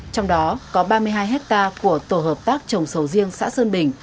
trong đó có ba mươi hai hectare của tổ hợp tác trồng sầu riêng xã sơn bình